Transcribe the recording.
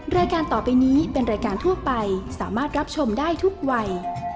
รายการต่อไปนี้เป็นรายการทั่วไปสามารถรับชมได้ทุกวัย